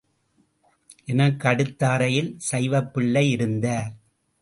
எனக்கு அடுத்த அறையில் சைவப்பிள்ளை இருந்தார்.